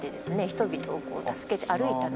人々を助けて歩いた。